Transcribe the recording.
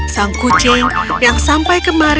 sang kucing yang sampai kemarin menangkap tom